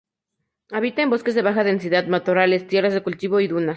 Habita en bosques de baja densidad, matorrales, tierras de cultivo y dunas.